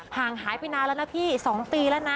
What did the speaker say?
ห่างหายไปนานแล้วนะพี่๒ปีแล้วนะ